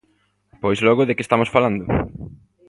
Pois logo ¿de que estamos falando?